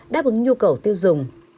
đáp ứng nhu cầu tiêu dùng